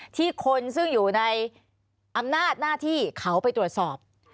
ที่คนซึ่งอยู่ในอำนาจหน้าที่เขาไปตรวจสอบ